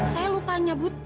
saya lupa nyebut